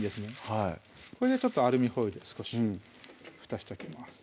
はいこれでちょっとアルミホイル少しふたしておきます